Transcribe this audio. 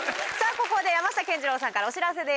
ここで山下健二郎さんからお知らせです。